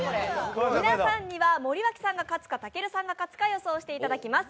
皆さんには森脇さんが勝つかたけるさんが勝つか予想していただきます。